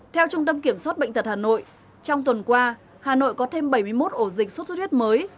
theo trung tâm kiểm soát bệnh tật hà nội trong tuần qua hà nội có thêm bảy mươi một ổ dịch sốt xuất huyết mới